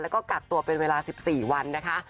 แล้วก็กักตัวเป็นเวลา๑๔วันนะคะ